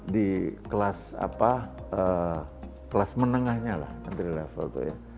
di kelas apa kelas menengahnya lah entry level tuh ya